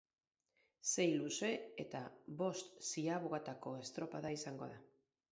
Sei luze eta bost ziabogatako estropada izango da.